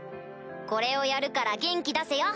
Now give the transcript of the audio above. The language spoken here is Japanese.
これをやるから元気出せよ。